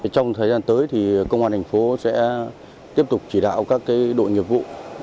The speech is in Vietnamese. trong thời gian tới công an thành phố sẽ tiếp tục chỉ đạo các đội nghiệp vụ